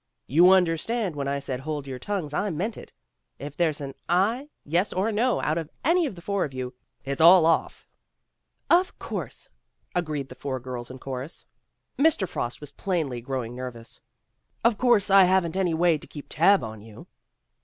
"You understand when I said hold your tongues, I meant it. If there's an aye, yes, or no out of any of the four of you, it's all off." FRIENDLY TERRACE ORPHANAGE 111 "Of course," agreed the four girls in chorus. Mr. Frost was plainly growing nervous. "Of course I haven 't any way to keep tab on you.